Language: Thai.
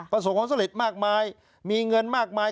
ประสงค์ของเสล็จมากมายมีเงินมากมาย